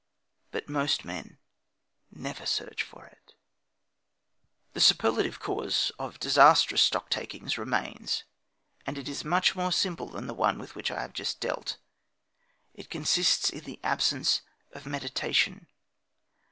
But most men never search for it. The superlative cause of disastrous stocktakings remains, and it is much more simple than the one with which I have just dealt. It consists in the absence of meditation.